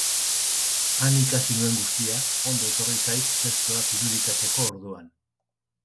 Han ikasi nuen guztia ondo etorri zait testoak irudikatzeko orduan.